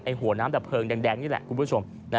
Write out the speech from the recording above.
หัวน้ำดับเพลิงแดงนี่แหละคุณผู้ชม